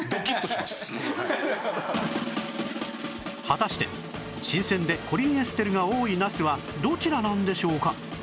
果たして新鮮でコリンエステルが多いナスはどちらなんでしょうか？